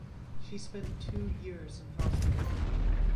She spent two years in hospital.